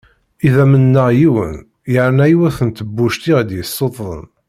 Idamen-nneɣ yiwen yerna yiwet n tebbuct i ɣ-yesuttḍen.